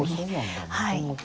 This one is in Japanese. もともと。